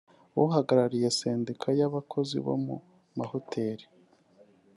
uhagarariye sendika y’abakozi bo mu mahoteli